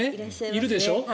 いるでしょ？